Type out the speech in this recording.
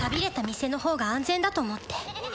店のほうが安全だと思って・おい